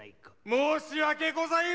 申し訳ございません！